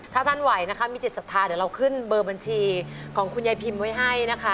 ถ้าท่านไหวนะคะมีจิตศรัทธาเดี๋ยวเราขึ้นเบอร์บัญชีของคุณยายพิมพ์ไว้ให้นะคะ